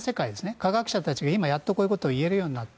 科学者たちが今やっとこういうことを言えるようになった。